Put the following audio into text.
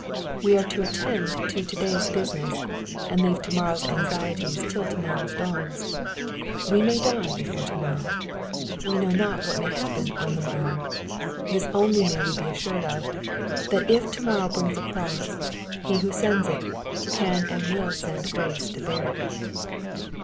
We are to attend to to day's business, and leave to morrow's anxieties till to morrow dawns. We may die before to morrow. We know not' what may happen on the morrow. This only we may' be assured of, that if to morrow brings a cross, He who sends it, can and will send grace to bear it.